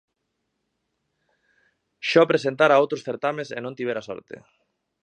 Xa o presentara a outros certames e non tivera sorte.